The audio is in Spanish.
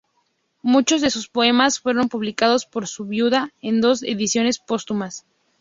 Muchos de su poemas fueron publicados por su viuda en dos ediciones póstumas.